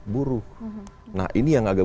buruh nah ini yang agak